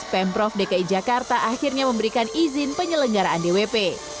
pemprov dki jakarta akhirnya memberikan izin penyelenggaraan dwp